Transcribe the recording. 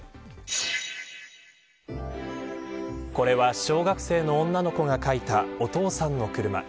これは、小学生の女の子が描いたお父さんの車。